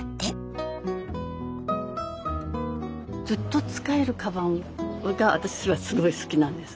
ずっと使えるかばんが私はすごい好きなんです。